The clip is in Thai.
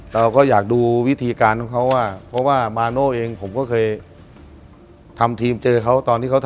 เราก็อยากดูวิธีการของเขา